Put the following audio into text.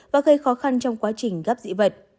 và gây khó khăn trong quá trình gấp dị vật